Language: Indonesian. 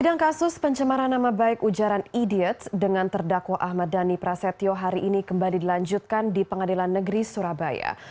sidang kasus pencemaran nama baik ujaran idiots dengan terdakwa ahmad dhani prasetyo hari ini kembali dilanjutkan di pengadilan negeri surabaya